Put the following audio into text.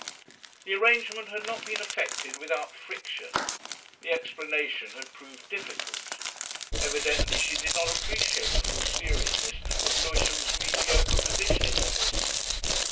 The arrangement had not been effected without friction, the explanation had proved difficult. Evidently she did not appreciate the full seriousness of Lewisham's mediocre position in the list.